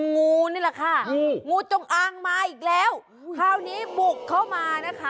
งูนี่แหละค่ะงูจงอางมาอีกแล้วคราวนี้บุกเข้ามานะคะ